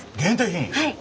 はい。